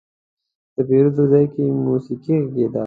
د پیرود ځای کې موسيقي غږېده.